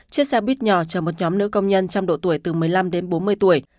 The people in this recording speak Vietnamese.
chiếc xe buýt nhỏ chở một nhóm nữ công nhân trong độ tuổi từ một mươi năm đến bốn mươi tuổi